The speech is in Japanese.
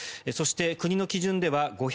そして国の基準では５４６人。